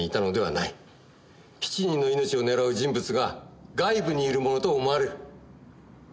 ７人の命を狙う人物が外部にいるものと思われる。